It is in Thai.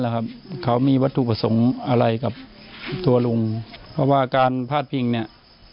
นะแหละครับเขามีวัตถุผสงอะไรกับตัวลุงเพราะว่าการพาดพิงเนี้ย